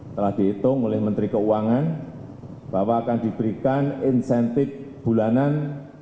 telah dihitung oleh menteri keuangan bahwa akan diberikan insentif bulanan